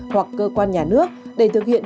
hoặc cơ quan nhà nước để thực hiện